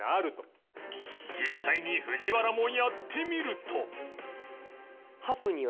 実際に藤原もやってみると